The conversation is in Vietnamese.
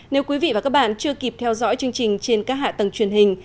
nếu quý vị và các bạn chưa kịp theo dõi chương trình trên các hạ tầng truyền hình